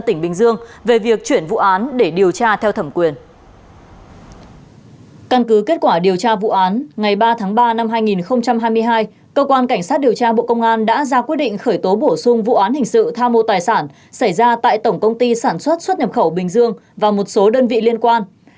trần nguyên vũ nguyên tổng giám đốc tổng công ty sản xuất xuất nhập khẩu bình dương công ty cổ phần